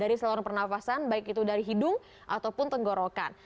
dari saluran pernafasan baik itu dari hidung ataupun tenggorokan